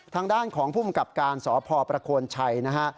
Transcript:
ทางด้านของภูมิกับการสพประโคนชัยนะฮะ